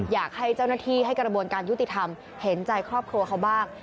อยากให้เจ้าหน้าที่ให้กระบวนการยุติธรรมเห็นใจครอบครัวเขาบ้าง